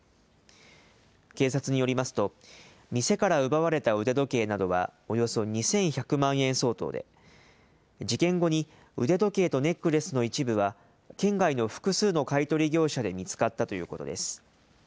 警察によりますと、店から奪われた腕時計などはおよそ２１００万円相当で、事件後に腕時計とネックレスの一部は県外の複数の買い取り業者で見つかったということです。